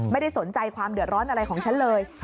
ไม่ได้สนใจความเดือดร้อนอะไรของฉันเลย